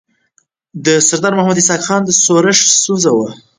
د سردار محمد اسحق خان د ښورښ ستونزه وه.